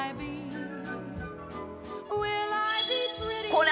「これ！